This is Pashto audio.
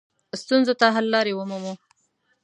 ستونزو ته حل لارې ومومو.